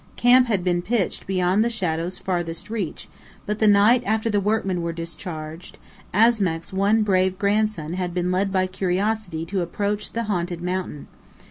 Camp had been pitched beyond the shadow's furthest reach; but the night after the workmen were discharged, Asmack's one brave grandson had been led by curiosity to approach the haunted mountain.